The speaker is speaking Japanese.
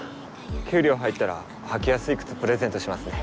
給料入ったら履きやすい靴プレゼントしますね。